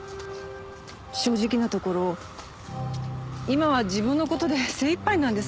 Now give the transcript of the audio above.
正直なところ今は自分の事で精いっぱいなんです。